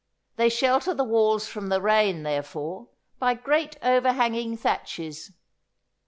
They shelter the walls from the rain, therefore, by great overhanging thatches.